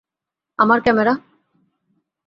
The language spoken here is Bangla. আমার ক্যামেরা!